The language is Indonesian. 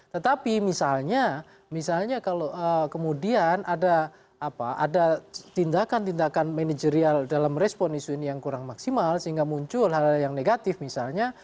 tetapi misalnya kalau kemudian ada tindakan tindakan manajerial dalam respon isu ini yang kurang maksimal sehingga muncul hal hal yang negatif misalnya